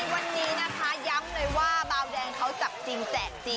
วันนี้นะคะย้ำเลยว่าบาวแดงเขาจับจริงแจกจริง